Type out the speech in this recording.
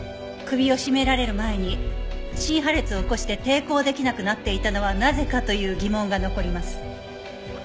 首を絞められる前に心破裂を起こして抵抗できなくなっていたのはなぜかという疑問が残ります。